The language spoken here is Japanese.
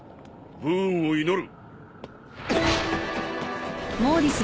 武運を祈る。